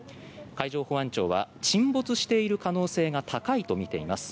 海上保安庁は沈没している可能性が高いとみています。